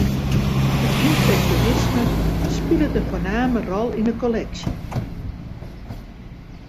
It ympresjonisme spilet in foarname rol yn 'e kolleksje.